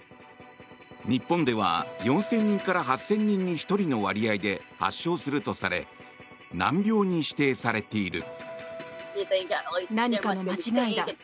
日本では４０００人から８０００人に１人の割合で発症するとされ難病に指定されている。